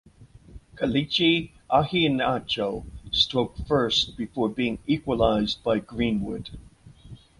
Kelechi Iheanacho stroke first before being equalised by Greenwood.